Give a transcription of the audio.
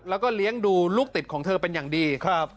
แล้วก็เลี้ยงดูลูกติดของเธอเป็นอย่างดีครับ